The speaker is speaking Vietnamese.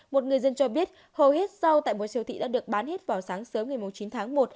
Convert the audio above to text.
một người dân cho biết hầu hết rau tại một siêu thị đã được bán hết vào sáng sớm ngày chín tháng một